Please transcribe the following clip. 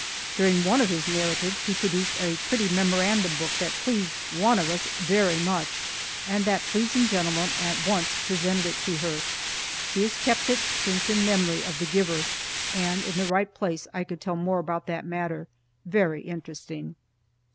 During one of his narratives he produced a pretty memorandum book that pleased one of us very much, and that pleasing gentleman at once presented it to her. She has kept it since in memory of the giver, and, in the right place, I could tell more about that matter very interesting.